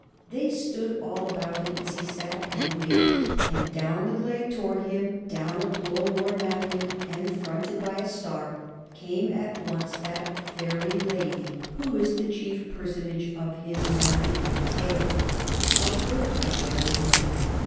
They stood all about him as he sat and waked, and down the glade towards him, down a glow worm avenue and fronted by a star, came at once that Fairy Lady who is the chief personage of his memory and tale. Of her I gathered more.